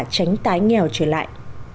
tránh tái nghèo trở lại